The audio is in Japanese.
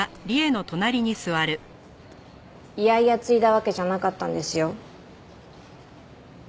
嫌々継いだわけじゃなかったんですよ。